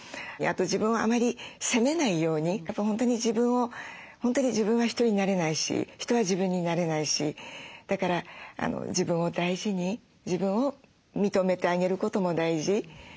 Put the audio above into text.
あと自分をあまり責めないようにやっぱ本当に自分を本当に自分は人になれないし人は自分になれないしだから自分を大事に自分を認めてあげることも大事。